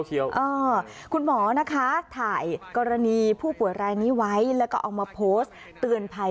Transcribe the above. คุณหมอนะคะถ่ายกรณีผู้ป่วยรายนี้ไว้แล้วก็เอามาโพสต์เตือนภัย